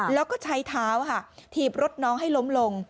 แล้วก็ใช้เท้าค่ะถีบรถน้องให้ล้มลง